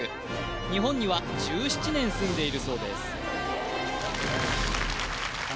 日本には１７年住んでいるそうです